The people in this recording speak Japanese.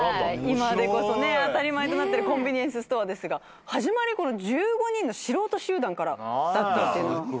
今でこそ当たり前となってるコンビニエンスストアですが始まりは１５人の素人集団からだったのは。